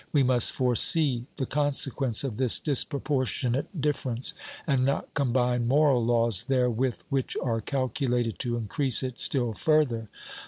We must foresee the consequence of this disproportionate difference, and not combine moral laws therewith which are calculated to increase it still further.